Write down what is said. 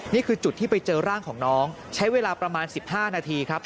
นี่คือจุดที่ไปเจอร่างของน้องใช้เวลาประมาณ๑๕นาทีครับ